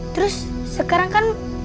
terus sekarang kan